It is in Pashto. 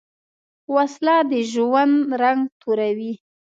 وسله د ژوند رنګ توروې